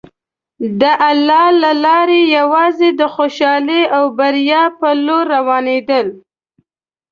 د الله له لارې یوازې د خوشحالۍ او بریا په لور روانېدل.